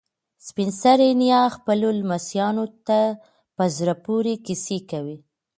سپین سرې نیا خپلو لمسیانو ته په زړه پورې کیسې کوي.